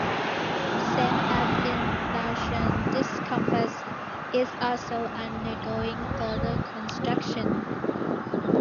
Same as in Laoshan, this campus is also undergoing further construction.